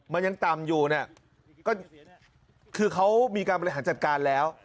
มันยังต่ำอยู่เนี่ยก็คือเขามีการบริหารจัดการแล้ว